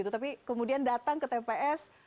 tapi kemudian datang ke tps